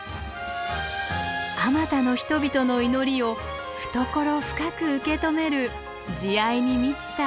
あまたの人々の祈りを懐深く受け止める慈愛に満ちた山でした。